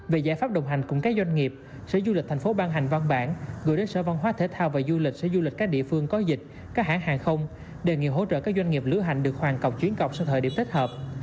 về giải pháp đồng hành cùng các doanh nghiệp sở du lịch thành phố ban hành văn bản gửi đến sở văn hóa thể thao và du lịch sở du lịch các địa phương có dịch các hãng hàng không đề nghị hỗ trợ các doanh nghiệp lưu hành được hoàn cổng chuyến cọc sau thời điểm thích hợp